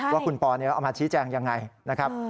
ว่าคุณปอเอามาชี้แจงยังไงนะครับ